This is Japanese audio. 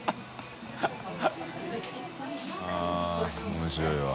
△面白いわ。